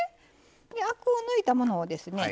アクを抜いたものをですね